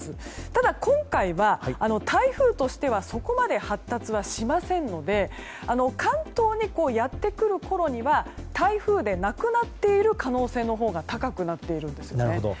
ただ、今回は台風としてはそこまで発達しませんので関東にやってくるころには台風でなくなっている可能性のほうが高くなっているんですね。